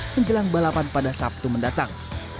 menjelang balapan pada sabtu mendatang